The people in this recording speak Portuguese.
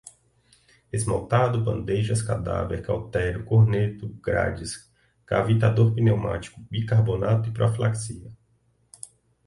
esmaltado, bandejas, cadáver, cautério, corneto, grades, cavitador pneumático, bicarbonato, profilaxia